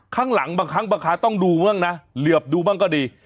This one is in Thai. ข้างหลังบางครั้งบางครั้งต้องดูบ้างนะเหลือบดูบ้างก็ดี